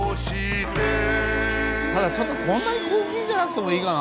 ただちょっとこんなに高級じゃなくてもいいかな。